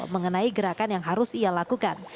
mengenai gerakan yang harus ia lakukan